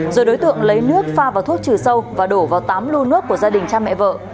rồi đối tượng lấy nước pha vào thuốc trừ sâu và đổ vào tám lô nước của gia đình cha mẹ vợ